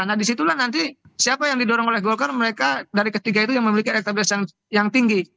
nah disitulah nanti siapa yang didorong oleh golkar mereka dari ketiga itu yang memiliki elektabilitas yang tinggi